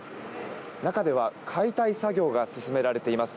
中では解体作業が進められています。